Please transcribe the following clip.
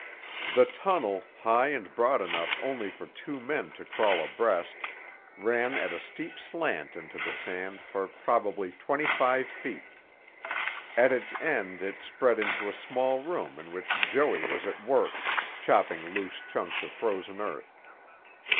The tunnel, high and broad enough only for two men to crawl abreast, ran at a steep slant into the sand for probably twenty five feet. At its end it spread into a small room in which Joey was at work, chopping loose chunks of frozen earth.